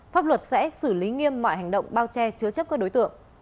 pháp luật sẽ xử lý nghiêm mọi hành động bao che chứa chấp các đối tượng